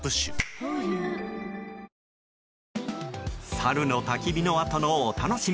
サルのたき火のあとのお楽しみ